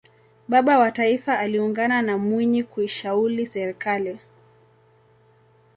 baba wa taifa aliungana na mwinyi kuishauli serikali